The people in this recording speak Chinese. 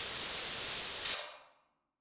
斯特劳姆文明圈的人造语言的名称。